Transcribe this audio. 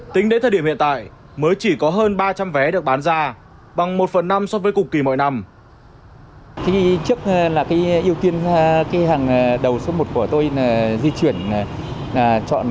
tính đến thời điểm hiện tại mới chỉ có hơn ba trăm linh vé được bán ra bằng một phần năm so với cùng kỳ mọi năm